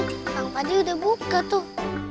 bang padi udah buka tuh